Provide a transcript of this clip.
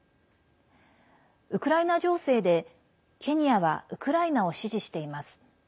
ウクライナ情勢で、ケニアはウクライナを支持しています。